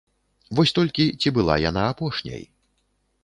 Вось толькі ці была яна апошняй.